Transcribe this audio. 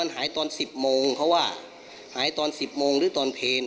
มันหายตอนสิบโมงเขาว่าหายตอนสิบโมงหรือตอนเพลน